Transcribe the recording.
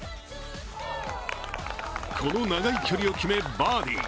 この長い距離を決め、バーディー。